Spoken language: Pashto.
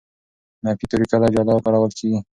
نفي توري کله جلا کارول کېږي.